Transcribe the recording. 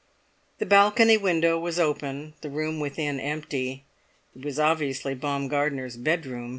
The balcony window was open, the room within empty. It was obviously Baumgartner's bedroom.